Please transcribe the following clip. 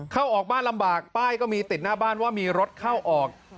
เข้าออกบ้านลำบากป้ายก็มีติดหน้าบ้านว่ามีรถเข้าออก